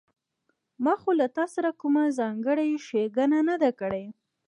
ما خو له تاسره کومه ځانګړې ښېګڼه نه ده کړې